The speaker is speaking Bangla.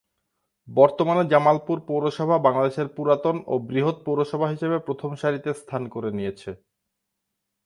বর্তমানে জামালপুর পৌরসভা বাংলাদেশের পুরাতন ও বৃহৎ পৌরসভা হিসেবে প্রথম সারিতে স্থান করে নিয়েছে।